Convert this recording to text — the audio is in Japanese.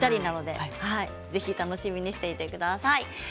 楽しみにしていてください。